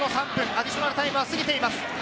アディショナルタイムは過ぎています。